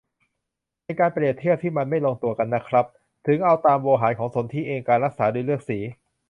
เป็นการเปรียบเทียบที่มันไม่ลงตัวกันน่ะครับ - ถึงเอาตามโวหารของสนธิเอง การรักษาโดยเลือกสี